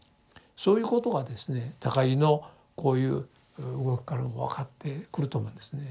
そういうことがですね高木のこういう動きからも分かってくると思うんですね。